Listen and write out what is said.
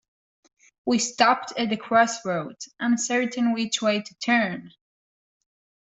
We stopped at the crossroads, uncertain which way to turn